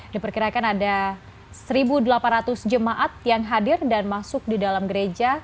diperkirakan ada satu delapan ratus jemaat yang hadir dan masuk di dalam gereja